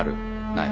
ない？